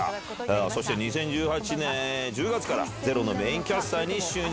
そして２０１８年１０月からｚｅｒｏのメインキャスターに就任。